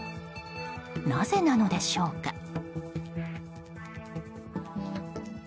なぜなのでしょうか。